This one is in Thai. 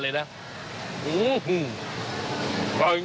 อร่อยไหมคะเพ้มข้นรสชาติเยี่ยมหวานมันถ้าอยากทิมก็มาเลยนะคะ